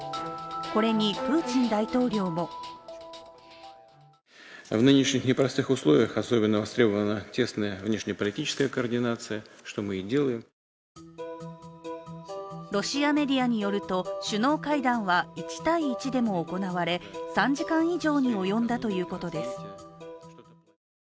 これにプーチン大統領もロシアメディアによると首脳会談は１対１でも行われ３時間以上に及んだということです。